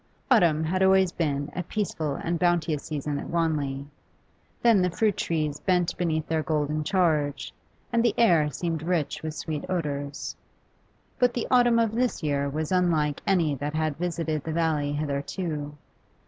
Autumn had always been a peaceful and bounteous season at Wanley; then the fruit trees bent beneath their golden charge, and the air seemed rich with sweet odours. But the autumn of this year was unlike any that had visited the valley hitherto.